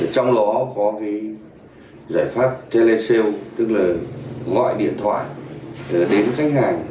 trong đó có cái giải pháp tele sale tức là gọi điện thoại đến khách hàng